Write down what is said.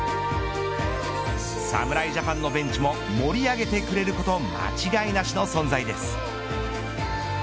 侍ジャパンのベンチも盛り上げてくれること間違いなしの存在です。